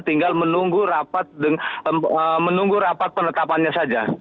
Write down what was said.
tinggal menunggu rapat penetapannya saja